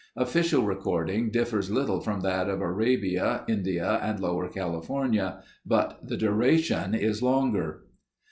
Official recording differs little from that of Arabia, India, and lower California, but the duration is longer.